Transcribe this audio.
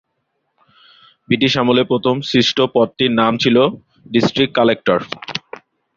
British আমলে প্রথম সৃষ্ট পদটির নাম ছিলো ডিস্ট্রিক্ট কালেক্টর।